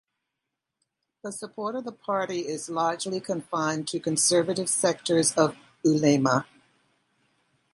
The support of the party is largely confined to conservative sectors of ulema.